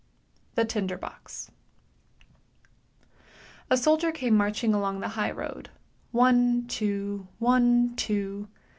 " THE TINDER BOX A SOLDIER came marching along the high road. One, two! One, two!